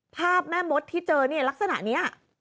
แม่มดที่เจอเนี่ยลักษณะนี้